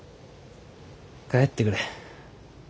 帰ってくれ。